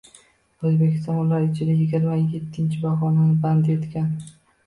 Oʻzbekiston ular ichida yigirma ettinchi pogʻonani band etgan.